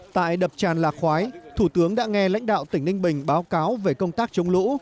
tại đập tràn lạc khói thủ tướng đã nghe lãnh đạo tỉnh ninh bình báo cáo về công tác chống lũ